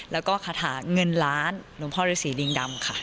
แล้วก็คาถาเงินล้านหลวงพ่อฤษีลิงดำค่ะ